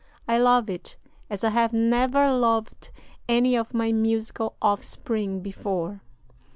"I love it as I have never loved any of my musical offspring before."